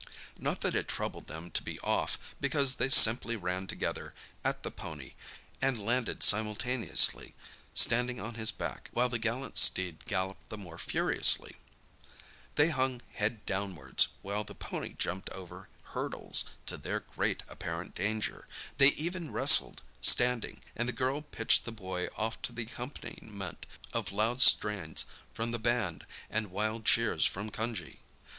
Not that it troubled them to be off, because they simply ran, together, at the pony, and landed simultaneously, standing on his back, while the gallant steed galloped the more furiously. They hung head downwards while the pony jumped over hurdles, to their great apparent danger; they even wrestled, standing, and the girl pitched the boy off to the accompaniment of loud strains from the band and wild cheers from Cunjee.